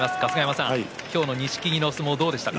今日の錦木の相撲どうでしたか？